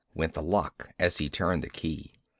_ went the lock as he turned the key.